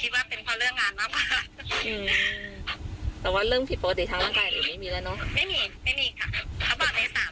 มันคือมีปวดหัวเล็กน้อยแต่คิดว่าเป็นพอเรื่องงานมากค่ะ